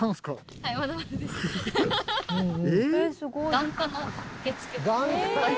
眼科の受付？